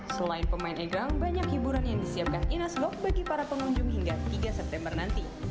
selain pemain egrang banyak hiburan yang disiapkan inas gok bagi para pengunjung hingga tiga september nanti